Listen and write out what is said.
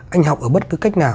anh học ở bất cứ cách nào